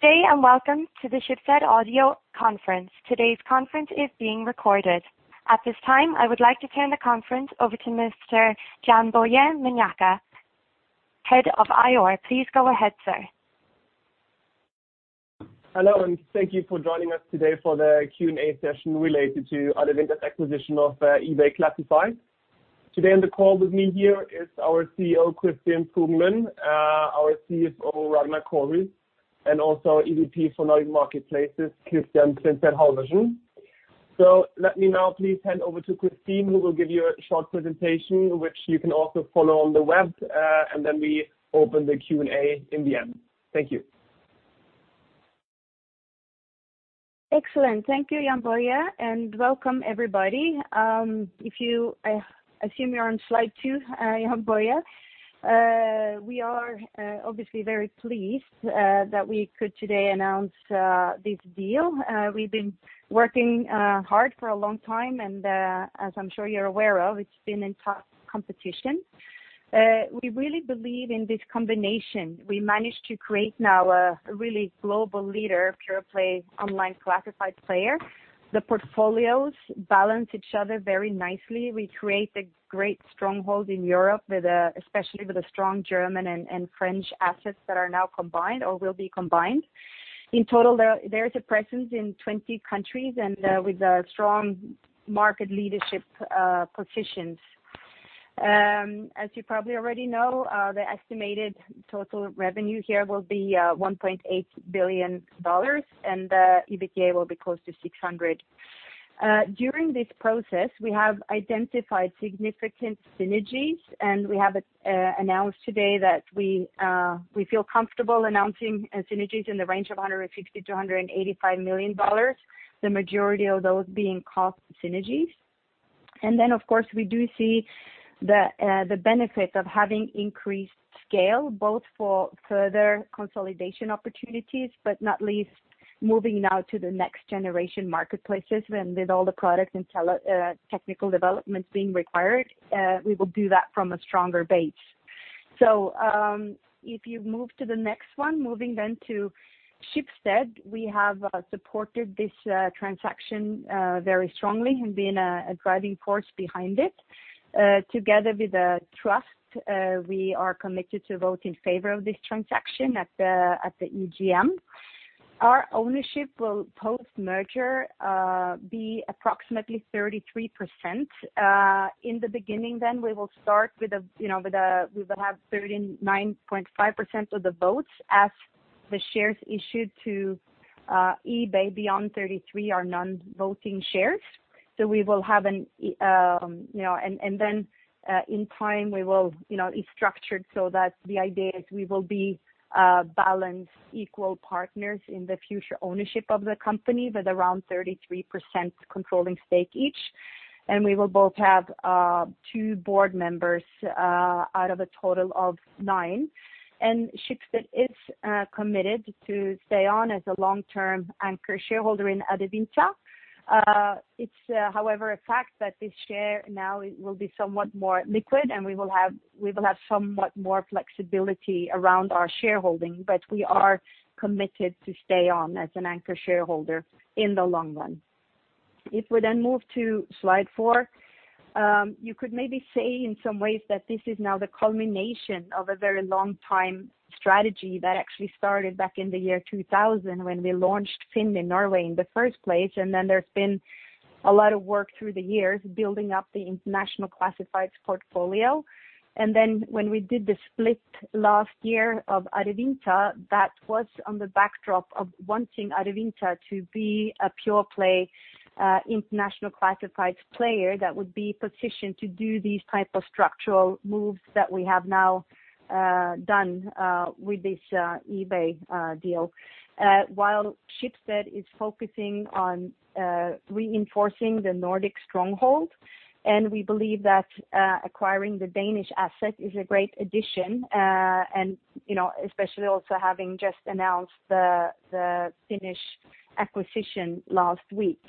Today and welcome to the Schibsted Audio Conference. Today's conference is being recorded. At this time, I would like to turn the conference over to Mr. Jann-Boje Meinecke, Head of IR. Please go ahead, sir. Hello, and thank you for joining us today for the Q&A session related to Adevinta acquisition of eBay Classifieds. Today on the call with me here is our CEO, Kristin Skogen Lund; our CFO, Ragnar Kårhus; and also EVP for Nordic Marketplaces, Christian Printzell Halvorsen. So let me now please hand over to Kristin, who will give you a short presentation, which you can also follow on the web, and then we open the Q&A in the end. Thank you. Excellent. Thank you, Jann-Boje, and welcome everybody. If you assume you're on slide two, Jann-Boje, we are obviously very pleased that we could today announce this deal. We've been working hard for a long time, and as I'm sure you're aware of, it's been in tough competition. We really believe in this combination. We managed to create now a really global leader, pure play online Classified player. The portfolios balance each other very nicely. We create a great stronghold in Europe, especially with the strong German and French assets that are now combined or will be combined. In total, there is a presence in 20 countries and with strong market leadership positions. As you probably already know, the estimated total revenue here will be $1.8 billion, and the EBITDA will be close to 600. During this process, we have identified significant synergies, and we have announced today that we feel comfortable announcing synergies in the range of $160 million-$185 million, the majority of those being cost synergies. And then, of course, we do see the benefit of having increased scale, both for further consolidation opportunities, but not least moving now to the next generation marketplaces. And with all the product and technical developments being required, we will do that from a stronger base. So if you move to the next one, moving then to Schibsted, we have supported this transaction very strongly and been a driving force behind it. Together with the trust, we are committed to vote in favor of this transaction at the EGM. Our ownership will post-merger be approximately 33%. In the beginning, then we will have 39.5% of the votes as the shares issued to eBay beyond 33% are non-voting shares. So we will have, and then in time, we will be structured so that the idea is we will be balanced equal partners in the future ownership of the company with around 33% controlling stake each. And we will both have two board members out of a total of nine. And Schibsted is committed to stay on as a long-term anchor shareholder in Adevinta. It's, however, a fact that this share now will be somewhat more liquid, and we will have somewhat more flexibility around our shareholding. But we are committed to stay on as an anchor shareholder in the long run. If we then move to slide four, you could maybe say in some ways that this is now the culmination of a very long-time strategy that actually started back in the year 2000 when we launched FINN in Norway in the first place. And then there's been a lot of work through the years building up the international classifieds portfolio. And then when we did the split last year of Adevinta, that was on the backdrop of wanting Adevinta to be a pure play international classifieds player that would be positioned to do these types of structural moves that we have now done with this eBay deal. While Schibsted is focusing on reinforcing the Nordic stronghold, and we believe that acquiring the Danish asset is a great addition, and especially also having just announced the Finnish acquisition last week.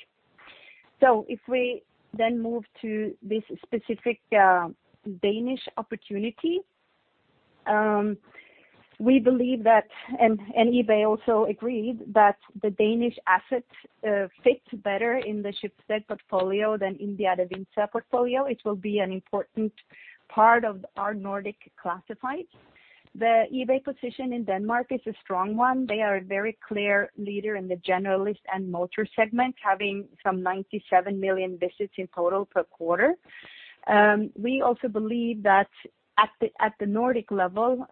So if we then move to this specific Danish opportunity, we believe that, and eBay also agreed, that the Danish asset fits better in the Schibsted portfolio than in the Adevinta portfolio. It will be an important part of our Nordic classifieds. The eBay position in Denmark is a strong one. They are a very clear leader in the generalist and motor segment, having some 97 million visits in total per quarter. We also believe that at the Nordic level,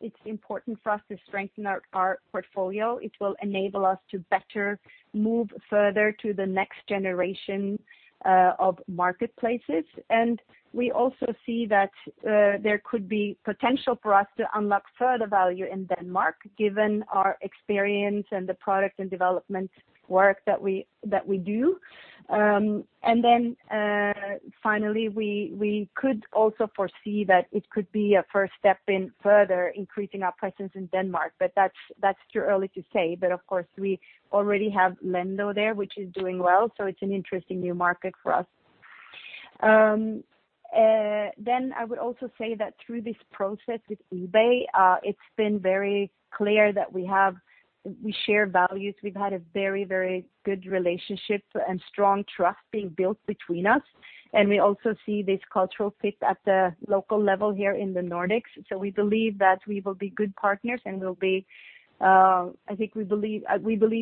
it's important for us to strengthen our portfolio. It will enable us to better move further to the next generation of marketplaces. And we also see that there could be potential for us to unlock further value in Denmark, given our experience and the product and development work that we do. And then finally, we could also foresee that it could be a first step in further increasing our presence in Denmark. But that's too early to say. But of course, we already have Lendo there, which is doing well. So it's an interesting new market for us. Then I would also say that through this process with eBay, it's been very clear that we share values. We've had a very, very good relationship and strong trust being built between us. And we also see this cultural fit at the local level here in the Nordics. So we believe that we will be good partners and we'll be, I think we believe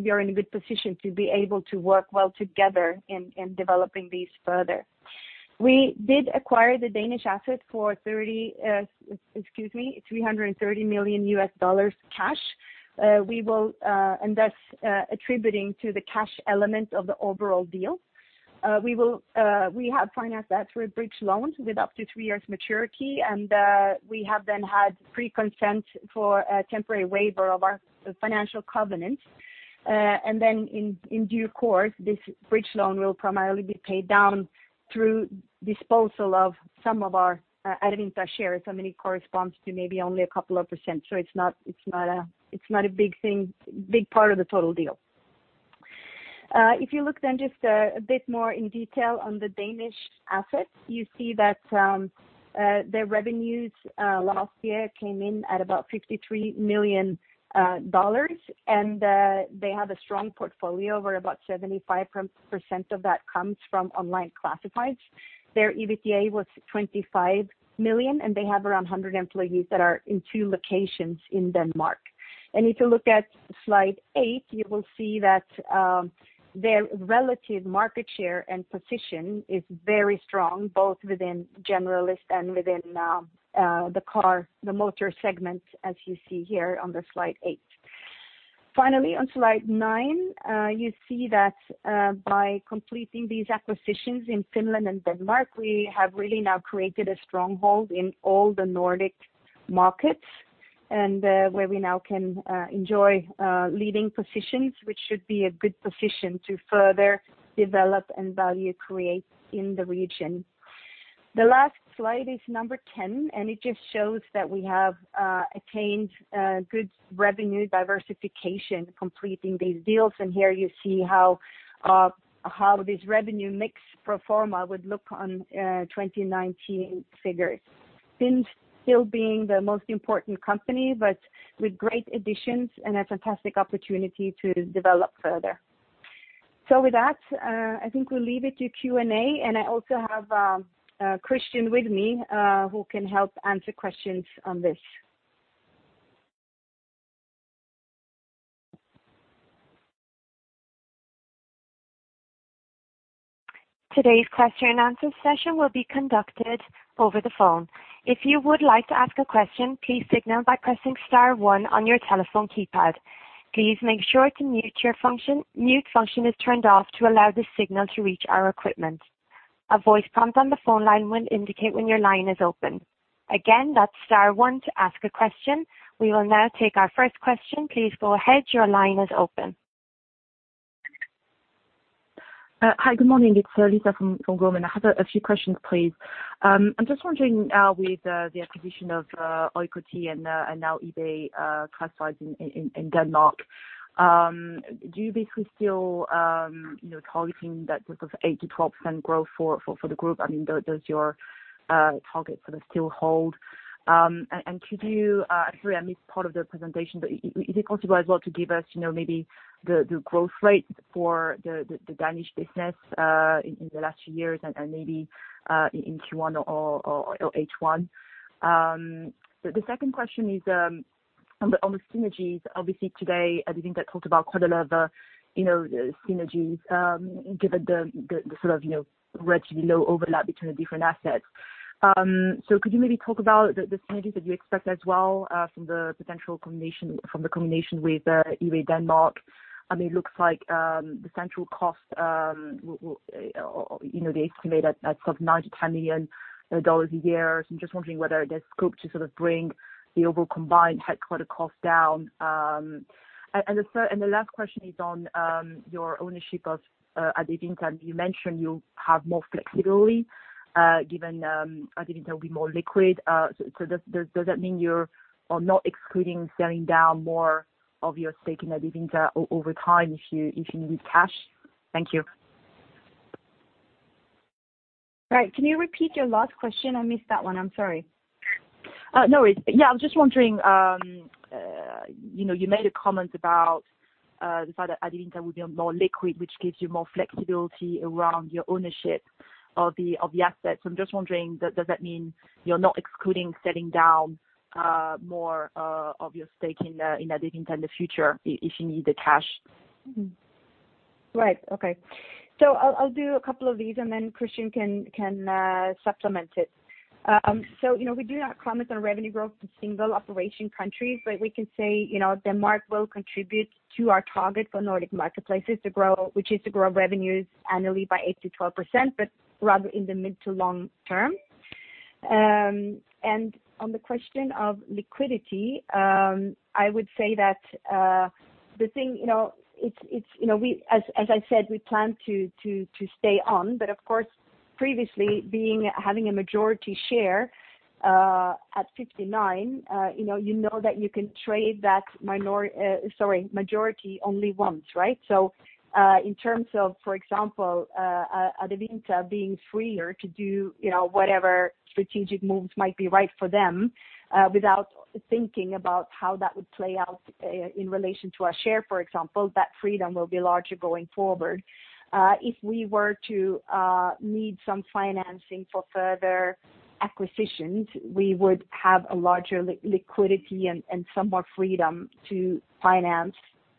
you're in a good position to be able to work well together in developing these further. We did acquire the Danish asset for 30, excuse me, $330 million cash. We will, and that's attributing to the cash element of the overall deal. We have financed that through a bridge loan with up to three years' maturity. We have then had pre-consent for a temporary waiver of our financial covenant. Then in due course, this bridge loan will primarily be paid down through disposal of some of our Adevinta shares, something that corresponds to maybe only a couple of %. It's not a big part of the total deal. If you look then just a bit more in detail on the Danish asset, you see that their revenues last year came in at about $53 million. They have a strong portfolio where about 75% of that comes from online classifieds. Their EBITDA was $25 million, and they have around 100 employees that are in two locations in Denmark. And if you look at slide eight, you will see that their relative market share and position is very strong, both within generalist and within the car, the motor segment, as you see here on the slide eight. Finally, on slide nine, you see that by completing these acquisitions in Finland and Denmark, we have really now created a stronghold in all the Nordic markets and where we now can enjoy leading positions, which should be a good position to further develop and value create in the region. The last slide is number 10, and it just shows that we have attained good revenue diversification completing these deals. And here you see how this revenue mix pro forma would look on 2019 figures. FINN still being the most important company, but with great additions and a fantastic opportunity to develop further. So with that, I think we'll leave it to Q&A. And I also have Christian with me who can help answer questions on this. Today's question and answer session will be conducted over the phone. If you would like to ask a question, please signal by pressing star one on your telephone keypad. Please make sure your mute function is turned off to allow the signal to reach our equipment. A voice prompt on the phone line will indicate when your line is open. Again, that's star one to ask a question. We will now take our first question. Please go ahead. Your line is open. Hi, good morning. It's Lisa from Goldman. I have a few questions, please. I'm just wondering now with the acquisition of Oikotie and now eBay Classifieds in Denmark, do you basically still targeting that sort of 8%-12% growth for the group? I mean, does your target sort of still hold? And could you, I'm sorry, I missed part of the presentation, but is it possible as well to give us maybe the growth rate for the Danish business in the last few years and maybe in Q1 or H1? The second question is on the synergies. Obviously, today, I think that talked about quite a lot of synergies, given the sort of relatively low overlap between the different assets. So could you maybe talk about the synergies that you expect as well from the potential combination with eBay Denmark? I mean, it looks like the central cost will be estimated at sort of $9 million-$10 million a year. So I'm just wondering whether there's scope to sort of bring the overall combined headquarters cost down. And the last question is on your ownership of Adevinta. You mentioned you have more flexibility given Adevinta will be more liquid. So does that mean you're not excluding selling down more of your stake in Adevinta over time if you need cash? Thank you. Right. Can you repeat your last question? I missed that one. I'm sorry. No worries. Yeah, I was just wondering. You made a comment about the fact that Adevinta will be more liquid, which gives you more flexibility around your ownership of the assets. So I'm just wondering, does that mean you're not excluding selling down more of your stake in Adevinta in the future if you need the cash? Right. Okay. So I'll do a couple of these, and then Christian can supplement it. So we do not comment on revenue growth in single operation countries, but we can say Denmark will contribute to our target for Nordic marketplaces to grow, which is to grow revenues annually by 8%-12%, but rather in the mid to long term. And on the question of liquidity, I would say that the thing, as I said, we plan to stay on. But of course, previously, having a majority share at 59, you know that you can trade that. Sorry, majority only once, right? So in terms of, for example, Adevinta being freer to do whatever strategic moves might be right for them without thinking about how that would play out in relation to our share, for example, that freedom will be larger going forward. If we were to need some financing for further acquisitions, we would have a larger liquidity and some more freedom to finance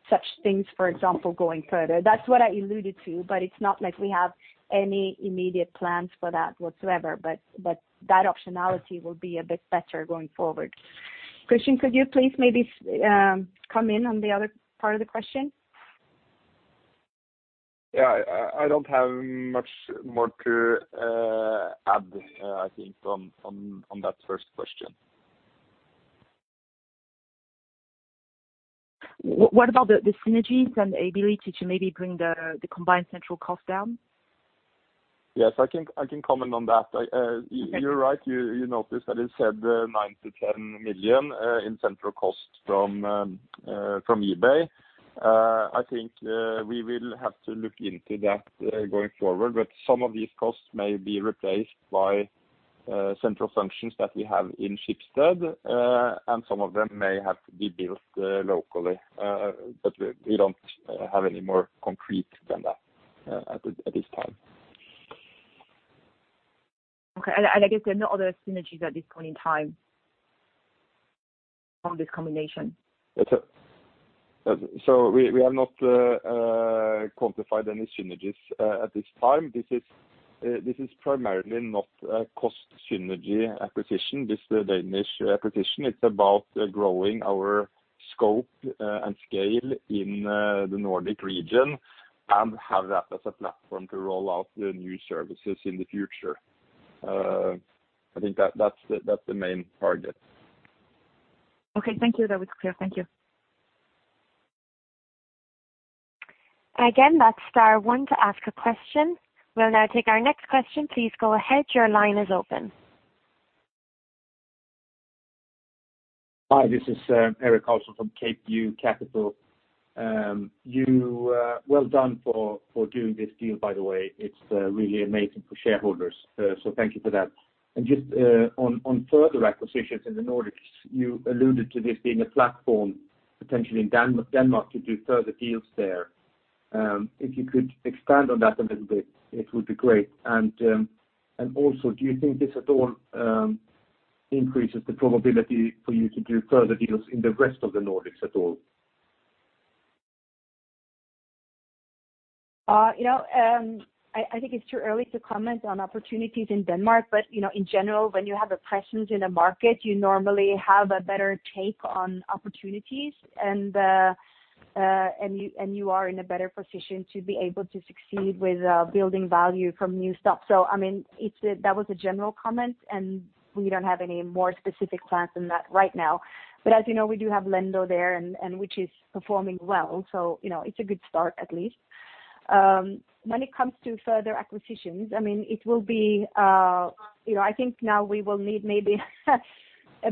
such things, for example, going further. That's what I alluded to, but it's not like we have any immediate plans for that whatsoever. But that optionality will be a bit better going forward. Christian, could you please maybe come in on the other part of the question? Yeah. I don't have much more to add, I think, on that first question. What about the synergies and the ability to maybe bring the combined central cost down? Yes. I can comment on that. You're right. You noticed that it said $9 million-$10 million in central cost from eBay. I think we will have to look into that going forward. But some of these costs may be replaced by central functions that we have in Schibsted, and some of them may have to be built locally. But we don't have any more concrete than that at this time. Okay. And I guess there are no other synergies at this point in time on this combination? We have not quantified any synergies at this time. This is primarily not a cost synergy acquisition, this Danish acquisition. It's about growing our scope and scale in the Nordic region and have that as a platform to roll out the new services in the future. I think that's the main target. Okay. Thank you. That was clear. Thank you. Again, that's star one to ask a question. We'll now take our next question. Please go ahead. Your line is open. Hi, this is Erik Hausel from KPU Capital. Well done for doing this deal, by the way. It's really amazing for shareholders. So thank you for that. And just on further acquisitions in the Nordics, you alluded to this being a platform potentially in Denmark to do further deals there. If you could expand on that a little bit, it would be great. And also, do you think this at all increases the probability for you to do further deals in the rest of the Nordics at all? I think it's too early to comment on opportunities in Denmark, but in general, when you have a presence in the market, you normally have a better take on opportunities, and you are in a better position to be able to succeed with building value from new stuff. So I mean, that was a general comment, and we don't have any more specific plans than that right now. But as you know, we do have Lendo there, which is performing well. So it's a good start, at least. When it comes to further acquisitions, I mean, it will be, I think now we will need maybe a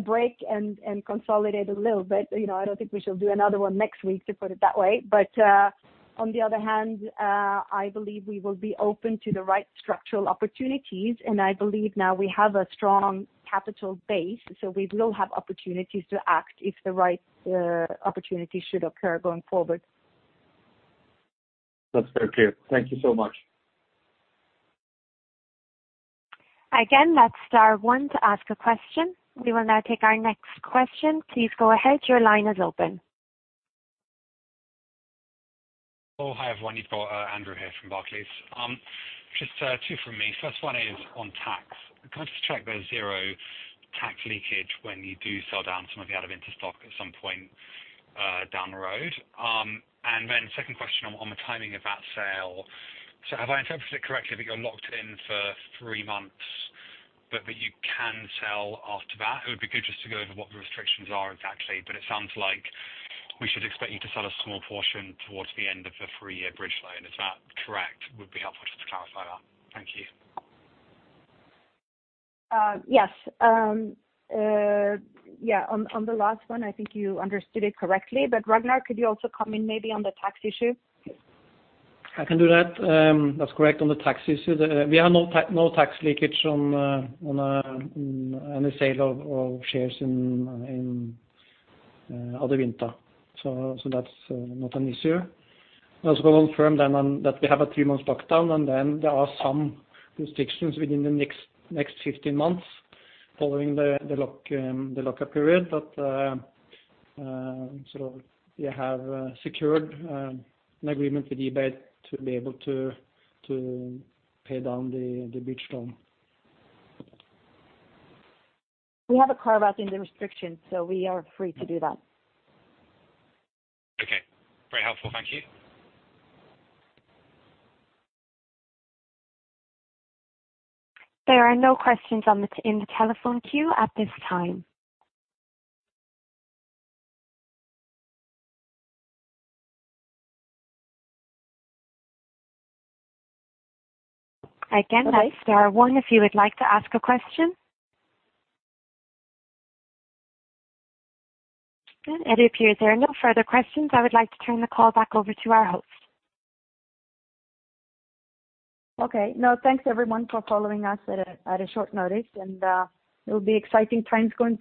break and consolidate a little, but I don't think we shall do another one next week, to put it that way. But on the other hand, I believe we will be open to the right structural opportunities. I believe now we have a strong capital base, so we will have opportunities to act if the right opportunity should occur going forward. That's very clear. Thank you so much. Again, that's star one to ask a question. We will now take our next question. Please go ahead. Your line is open. Oh, hi everyone. Andrew here from Barclays. Just two from me. First one is on tax. Can I just check there's zero tax leakage when you do sell down some of the Adevinta stock at some point down the road? And then second question on the timing of that sale. So have I interpreted it correctly that you're locked in for three months, but that you can sell after that? It would be good just to go over what the restrictions are exactly. But it sounds like we should expect you to sell a small portion towards the end of the three-year bridge loan. Is that correct? It would be helpful just to clarify that. Thank you. Yes. Yeah. On the last one, I think you understood it correctly. But Ragnar, could you also come in maybe on the tax issue? I can do that. That's correct on the tax issue. We have no tax leakage on any sale of shares in Adevinta. So that's not an issue. I also want to confirm then that we have a three-month lock-up, and then there are some restrictions within the next 15 months following the lock-up period that sort of we have secured an agreement with eBay to be able to pay down the bridge loan. We have a carve-out in the restrictions, so we are free to do that. Okay. Very helpful. Thank you. There are no questions in the telephone queue at this time. Again, that's star one if you would like to ask a question. And if there are no further questions. I would like to turn the call back over to our host. Okay. Thanks, everyone, for joining us on short notice, and it will be exciting times going.